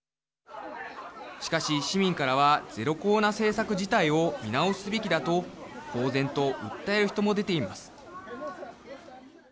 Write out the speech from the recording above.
しかし、市民からはゼロコロナ政策自体を見直すべきだと公然と訴える人も出ています。